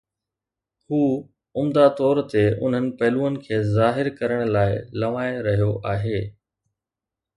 هو عمدي طور تي انهن پهلوئن کي ظاهر ڪرڻ کان لنوائي رهيو آهي.